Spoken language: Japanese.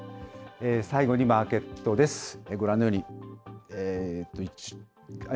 最後にマーケットです。